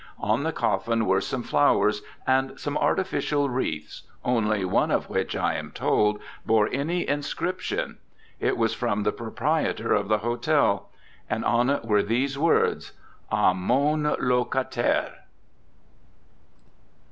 On the coffin were some flowers and some artificial wreaths, only one of which, I am told, bore any inscription. It was from the proprietor of the hotel, and on it were these words: 'A MON LOCATAIRE.'